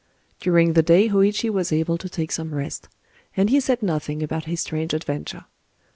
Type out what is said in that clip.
During the day Hōïchi was able to take some rest; and he said nothing about his strange adventure.